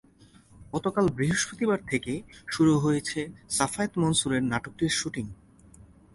গতকাল বৃহস্পতিবার থেকে শুরু হয়েছে সাফায়েত মনসুরের নাটকটির শুটিং।